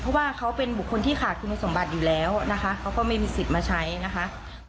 เพราะว่าเขาเป็นบุคคลที่ขาดคุณสมบัติอยู่แล้วนะคะเขาก็ไม่มีสิทธิ์มาใช้นะคะ